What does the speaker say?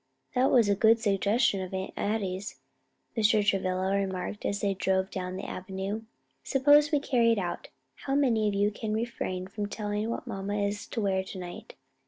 "That was a good suggestion of Aunt Addie's," Mr. Travilla remarked as they drove down the avenue. "Suppose we carry it out. How many of you can refrain from telling what mamma is to wear to night?